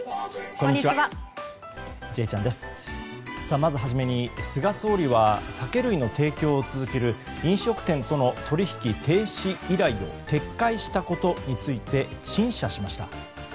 まず初めに菅総理は酒類の提供を続ける飲食店との取引停止依頼を撤回したことについて陳謝しました。